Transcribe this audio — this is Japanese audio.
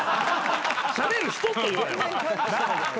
「しゃべる人」って言うなよ。